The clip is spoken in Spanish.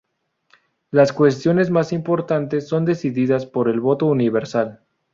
Las cuestiones más importantes son decididas por el voto universal.